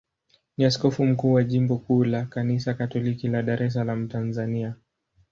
ni askofu mkuu wa jimbo kuu la Kanisa Katoliki la Dar es Salaam, Tanzania.